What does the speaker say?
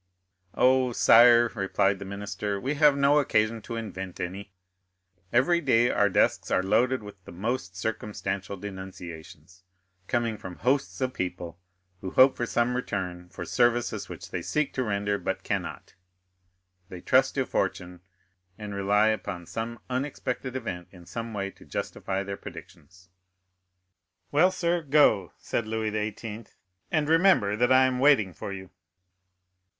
"Oh, sire," replied the minister, "we have no occasion to invent any; every day our desks are loaded with most circumstantial denunciations, coming from hosts of people who hope for some return for services which they seek to render, but cannot; they trust to fortune, and rely upon some unexpected event in some way to justify their predictions." "Well, sir, go," said Louis XVIII., "and remember that I am waiting for you."